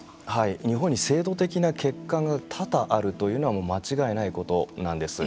日本に制度的な欠陥が多々あるというのは間違いないことなんです。